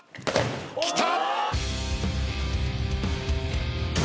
きた！